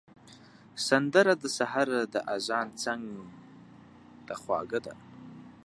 سندره د سهار د اذان څنګ ته خوږه ده